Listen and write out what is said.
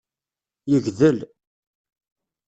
Yegdel.